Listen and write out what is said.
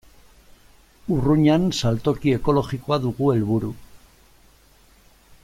Urruñan saltoki ekologikoa dugu helburu.